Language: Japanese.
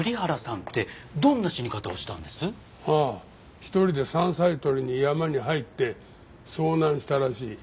１人で山菜採りに山に入って遭難したらしい。